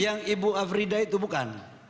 yang ibu afrida itu bukan